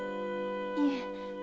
いえ。